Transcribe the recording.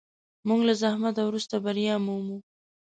موږ له زحمت وروسته بریا مومو.